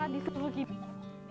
di seluruh kiri